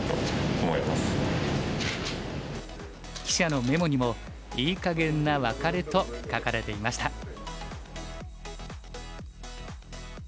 記者のメモにも「いい加減なワカレ」と書かれていました。